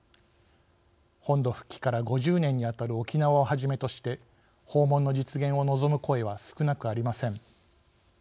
本土復帰から５０年にあたる沖縄をはじめとして訪問の実現を望む声は少なくありません。